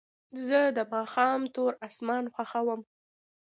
زه د ماښام تور اسمان خوښوم.